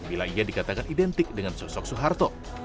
bila ia dikatakan identik dengan sosok soeharto